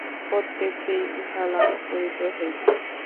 প্রত্যেককেই ইহা লাভ করিতে হইবে।